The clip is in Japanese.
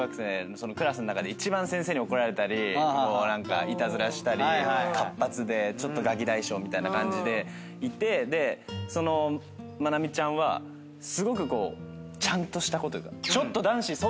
クラスの中で一番先生に怒られたりいたずらしたり活発でちょっとガキ大将みたいな感じでいてそのまなみちゃんはすごくちゃんとした子というか。